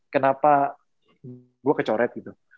kenapa gue kecoret gitu